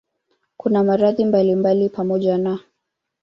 Kuna maradhi mbalimbali pamoja na